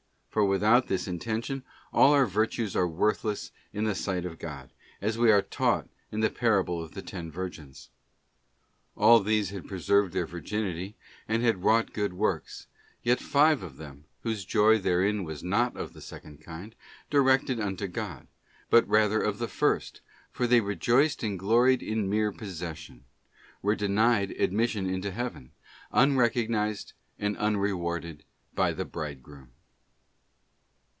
For without this intention all our virtues are worthless in the sight of God, as we are taught in the parable of the Ten Vir CHAP. XXVI. Merely na tural virtue incapable of Supernatural reward, Parable of the Ten gins. Allthese had preserved their virginity and had wrought Virgins good works, yet five of them, whose joy therein was not of the second kind, directed unto God, but rather of the first, for they rejoiced and gloried in mere possession, were denied admission into heaven, unrecognised and unrewarded by the Bridegroom.